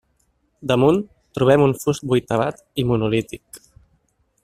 Damunt, trobem un fust vuitavat, i monolític.